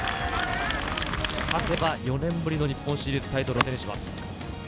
勝てば４年ぶりの日本シリーズタイトルを手にします。